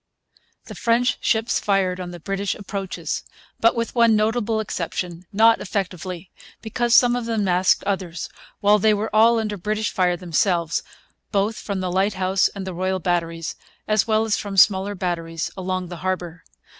The French ships fired on the British approaches; but, with one notable exception, not effectively, because some of them masked others, while they were all under British fire themselves, both from the Lighthouse and the Royal Batteries, as well as from smaller batteries along the harbour.